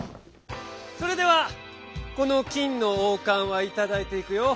それではこの「きんのおうかん」はいただいていくよ！